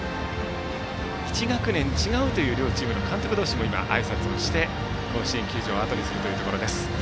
１学年違うという両チームの監督同士もあいさつをして甲子園球場をあとにします。